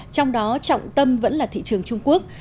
trong đó trọng tâm vẫn là thị trường trung quốc